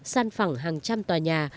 săn phẳng hàng trăm tòa nhà